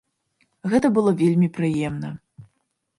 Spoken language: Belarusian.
Гэта было вельмі прыемна.